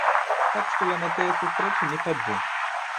Так што я на тыя сустрэчы не хаджу.